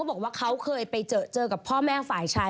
พี่หนิงมาบ่อยนะคะชอบเห็นมั้ยดูมีสาระหน่อย